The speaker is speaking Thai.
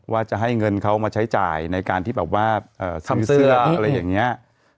ว่าจะให้เงินเขามาใช้จ่ายในการที่แบบว่าซื้อเสื้ออะไรอย่างนี้